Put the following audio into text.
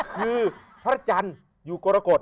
คือพระจันทร์อยู่กรกฎ